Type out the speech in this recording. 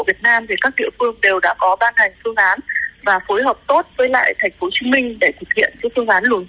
trên cái cơ sở văn bản của tổng cục bộ việt nam thì các địa phương đều đã có ban hành phương án